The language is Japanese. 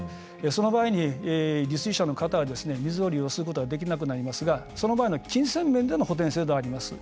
その場合に、利水者の方は水を利用することができなくなりますがその場合の金銭面での補填制度はあります。